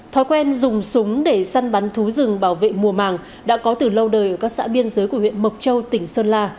thói quen dùng súng để săn bắn thú rừng bảo vệ mùa màng đã có từ lâu đời ở các xã biên giới của huyện mộc châu tỉnh sơn la